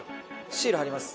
シール貼ります